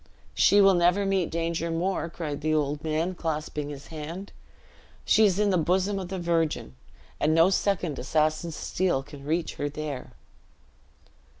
"She will never meet danger more!" cried the old man, clasping his hand; "she is in the bosom of the Virgin; and no second assassin's steel can reach her there."